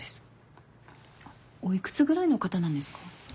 おいくつぐらいの方なんですか？